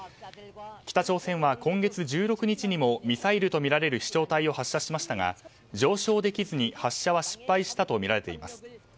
北朝鮮は今月１６日にもミサイルとみられる飛翔体を発射しましたが、上昇できずに発射は失敗したとみられています。